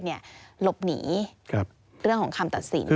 หลบหนีเรื่องของคำตัดสิน